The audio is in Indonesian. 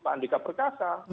pak andika perkasa